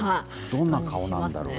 どんな顔なんだろう。